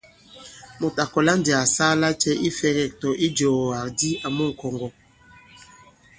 Mùt à kɔ̀la ndī à saa lacɛ̄ ifɛ̄gɛ̂k- tɔ̀ ijùwàgàdi àmu ŋ̀kɔ̀ŋgɔ̀ ?